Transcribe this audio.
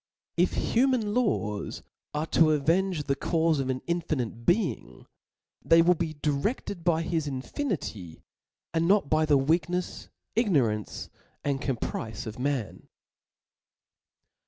If human laws are to avenge the caufe of an infinite' Being, they will be direfted .by his infinity, and not by the weaknefs, ignorance, and caprice of man.